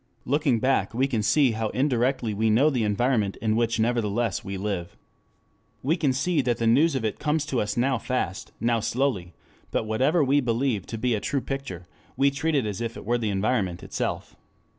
Looking back we can see how indirectly we know the environment in which nevertheless we live. We can see that the news of it comes to us now fast, now slowly; but that whatever we believe to be a true picture, we treat as if it were the environment itself.